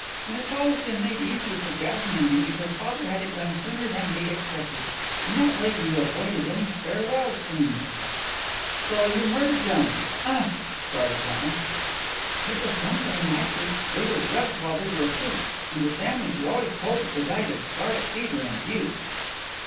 And it's always been made easier for Jasmine and me, because father had it done sooner than we expected. In that way we avoided any farewell scene " "So you murdered them! Uh!" cried John. "It was done very nicely. They were drugged while they were asleep and their families were always told that they died of scarlet fever in Butte."